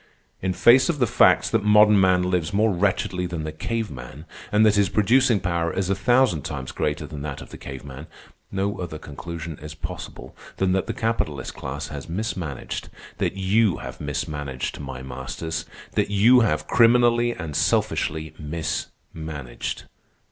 In face of the facts that modern man lives more wretchedly than the cave man, and that his producing power is a thousand times greater than that of the cave man, no other conclusion is possible than that the capitalist class has mismanaged, that you have mismanaged, my masters, that you have criminally and selfishly mismanaged.